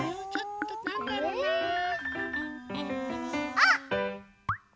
あっ！